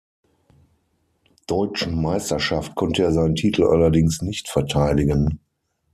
Deutschen Meisterschaft konnte er seinen Titel allerdings nicht verteidigen.